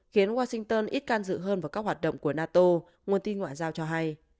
khiến washington ít can dự hơn vào các hoạt động của nato nguồn tin ngoại giao cho hay